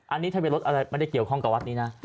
อันนี้ทะเบียนรถอะไรไม่ได้เกี่ยวข้องกับวัดนี้นะ